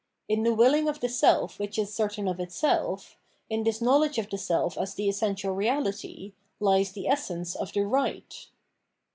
In the willing of the seff which is certain of itself, in this knowledge of the self as the essential reahty, lies the essence of the right.